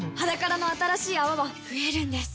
「ｈａｄａｋａｒａ」の新しい泡は増えるんです